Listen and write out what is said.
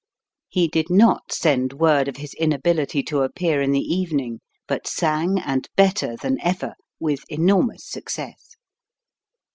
He did not send word of Irs inability to appear in the evening, but sang, and better than ever, with enormous success.